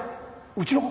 うちの子